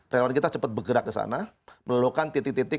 relawan kita cepat bergerak ke sana melulukan titik titik